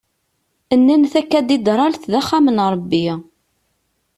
Nnan takadidralt d axxam n Rebbi.